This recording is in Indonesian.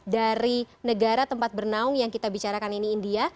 dari negara tempat bernaung yang kita bicarakan ini india